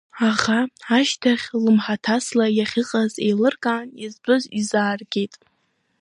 Аха ашьҭахь лымҳаҭасла иахьыҟаз еилыркаан, изтәыз изааргеит.